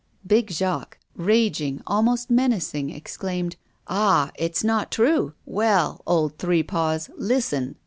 Big Jacques, raging, almost menacing, exclaimed: "Ah! it's not true! Well, old three paws, listen!